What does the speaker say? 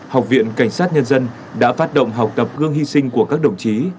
học viện cảnh sát nhân dân đã phát động học tập gương hy sinh của các đồng chí